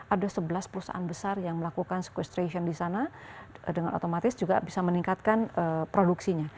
ada sebelas perusahaan besar yang melakukan sequestration di sana dengan otomatis juga bisa meningkatkan produksinya